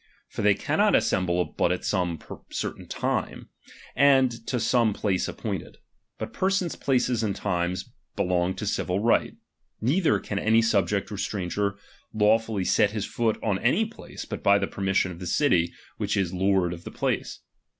For they cannot assemble but at some \ ■certain time, and to sorae place appointed. Bat ^persons, places, and times, belong to civil right; ^neither can any subject or stranger lawfully set Ihis foot on any place, but by the permission of the <;ity, which is lord of the place.